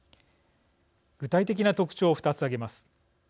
具体的な特徴を２つ挙げます。